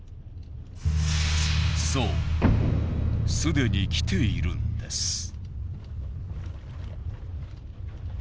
そうすでに来ているんです。